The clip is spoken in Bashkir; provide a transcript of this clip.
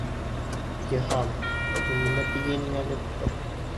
Йыһан, һин нимә тигәйнең әле былтыр?